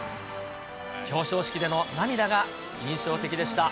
表彰式での涙が印象的でした。